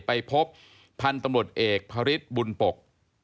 ไปพบพันธุ์ตำรวจเอกพระฤทธิ์บุญปก